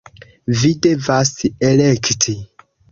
Vi devas elekti!